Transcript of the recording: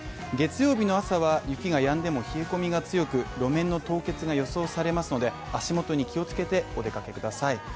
月曜日の朝は雪がやんでも冷え込みが強く路面の凍結が予想されますので足元に気をつけてお出かけください。